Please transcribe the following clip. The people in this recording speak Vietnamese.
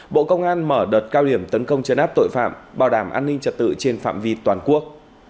bộ công an mở đợt cao điểm tấn công chấn áp tội phạm bảo đảm an ninh trật tự trên phạm vi toàn quốc